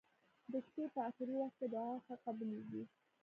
د شپي په اخرې وخت کې دعا ښه قبلیږی.